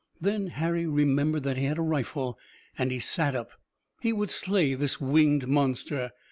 Then Harry remembered that he had a rifle, and he sat up. He would slay this winged monster.